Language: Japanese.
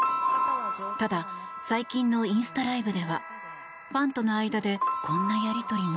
ただ、最近のインスタライブではファンとの間でこんなやり取りも。